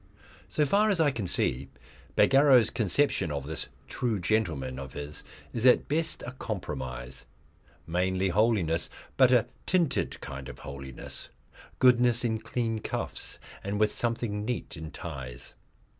So far as I can see, Bagarrow's conception of this True Gentleman of his is at best a compromise, mainly holiness, but a tinted kind of holiness goodness in clean cuffs and with something neat in ties.